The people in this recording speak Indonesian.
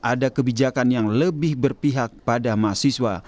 ada kebijakan yang lebih berpihak pada mahasiswa